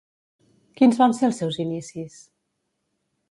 Quins van ser els seus inicis?